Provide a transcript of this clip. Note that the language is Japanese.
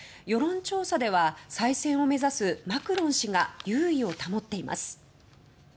世論調査では再選を目指すマクロン氏が優位を保っています。